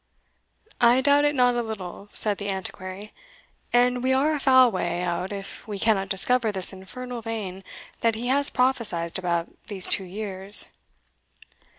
"I doubt it not a little," said the Antiquary, "and we are a foul way out if we cannot discover this infernal vein that he has prophesied about these two years."